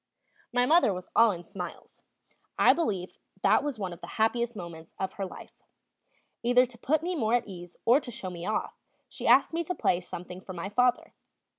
My mother was all in smiles; I believe that was one of the happiest moments of her life. Either to put me more at ease or to show me off, she asked me to play something for my father.